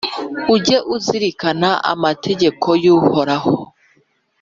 Ujye uzirikana amategeko y’Uhoraho,